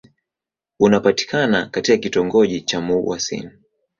Unapatikana katika kitongoji cha Mouassine.